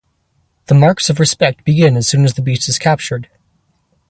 The marks of respect begin as soon as the beast is captured.